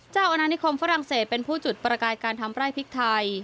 อาณานิคมฝรั่งเศสเป็นผู้จุดประกายการทำไร่พริกไทย